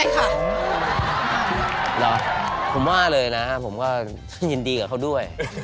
เดี๋ยวผมว่าเลยนะครับผมก็ยินดีกับเขาด้วย